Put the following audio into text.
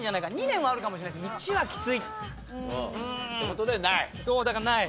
２年はあるかもしれないですけど１はきつい。という事でない。